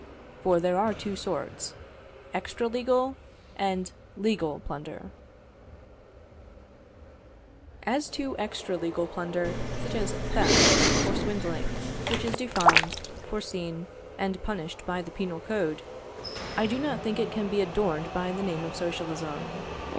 For there are two sorts extra legal and legal plunder. As to extra legal plunder, such as theft, or swindling, which is defined, foreseen, and punished by the penal code, I do not think it can be adorned by the name of socialism.